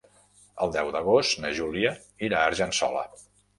El deu d'agost na Júlia irà a Argençola.